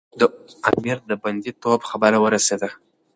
د امیر د بندي توب خبره ورسېده.